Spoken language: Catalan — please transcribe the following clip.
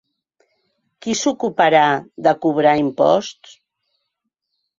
Qui s’ocuparà de cobrar imposts?